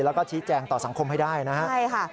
แล้วก็ชี้แจงต่อสังคมให้ได้นะฮะใช่ค่ะ